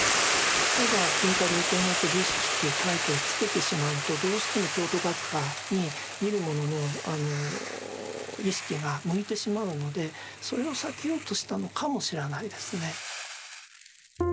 ただ「文化類型学図式」っていうタイトル付けてしまうとどうしても京都学派に見る者の意識が向いてしまうのでそれを避けようとしたのかもしれないですね。